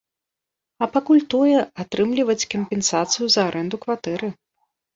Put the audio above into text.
А пакуль тое, атрымліваць кампенсацыю за арэнду кватэры.